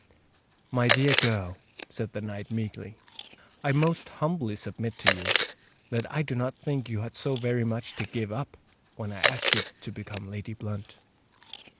"My dear girl," said the knight meekly, "I most humbly submit to you that I do not think you had so very much to give up when I asked you to become Lady Blunt."